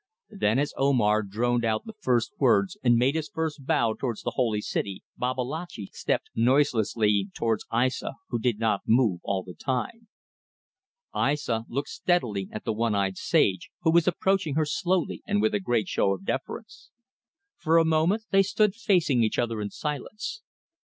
Then as Omar droned out the first words and made his first bow towards the Holy City, Babalatchi stepped noiselessly towards Aissa, who did not move all the time. Aissa looked steadily at the one eyed sage, who was approaching her slowly and with a great show of deference. For a moment they stood facing each other in silence.